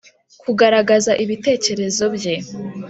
Kugaragaza ibitekerezo bye